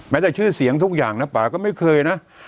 จากชื่อเสียงทุกอย่างนะป่าก็ไม่เคยนะ